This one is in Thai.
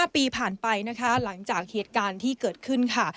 ๕ปีผ่านไปนะคะหลังจากเหตุการณ์ที่เกิดขึ้นค่ะ